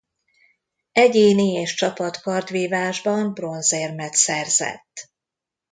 Egyéni és csapat kardvívásban bronzérmet szerzett.